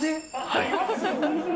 はい。